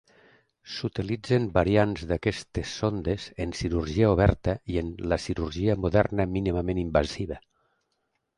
S'utilitzen variants d'aquestes sondes en cirurgia oberta i en la cirurgia moderna mínimament invasiva.